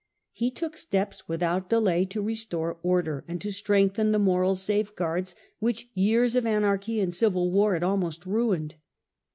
He took steps without delay to restore order and to strengthen the moral safeguards which years of anarchy and civil war had almost ruined.